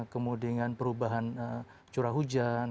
kemudian perubahan curah hujan